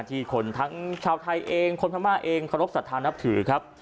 ที่คนทั้งชาวไทยเองคนพม่าเองขนกษัตริย์ทานับถือครับ